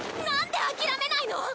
なんであきらめないの！？